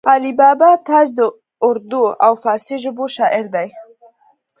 علي بابا تاج د اردو او فارسي ژبو شاعر دی